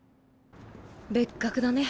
別格だね。